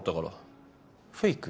フェイク？